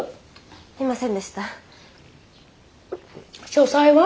書斎は？